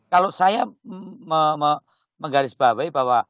kalau saya menggarisbawahi bahwa